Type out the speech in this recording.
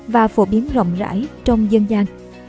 và phổ biến rộng rãi trong dân gian